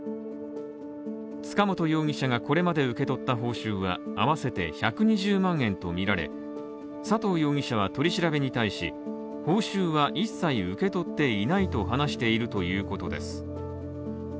塚本容疑者がこれまで受け取った報酬は合わせて１２０万円とみられ、佐藤容疑者は取り調べに対し、報酬は一切受け取っていないと話しているということです。